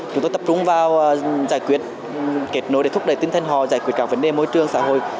chúng tôi tập trung vào giải quyết kết nối để thúc đẩy tinh thần họ giải quyết các vấn đề môi trường xã hội